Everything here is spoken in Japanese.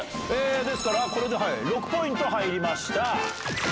ですからこれで６ポイント入りました！